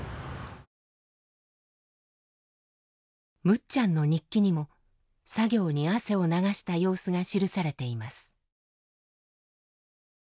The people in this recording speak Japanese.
むっちゃんの日記にも作業に汗を流した様子が記されています。